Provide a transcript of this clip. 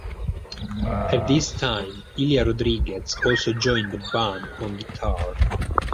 At this time Ilia Rodriguez also joined the band on guitar.